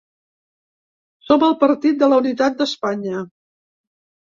Som el partit de la unitat d’Espanya.